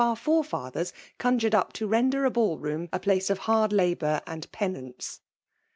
our forefathers oanjuced up to tok def a ball room a place of haid labour and penance.